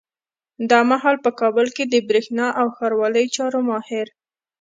دا مهال په کابل کي د برېښنا او ښاروالۍ چارو ماهر